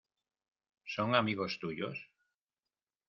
¿ son amigos tuyos?